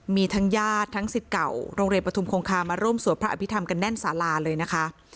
มีทั้งญาติทั้งสิทธิ์เก่าโรงเรียนปฐุมคงคามาร่วมสวดพระอภิษฐรรมกันแน่นสาราเลยนะคะ